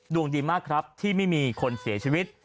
ดวงดีมากครับที่ไม่มีคนเสียชีวิต